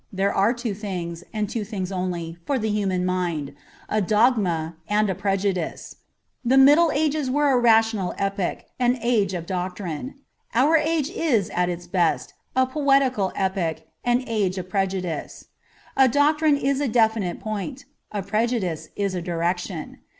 There are two things, and two things only, for the human mind — a dogma and a prejudice. The Middle Ages were a rational epoch, an age of doctrine. Our age is, at its best, a poetical epoch, an age of prejudice. A doctrine is a definite point ; a prejudice is a direction.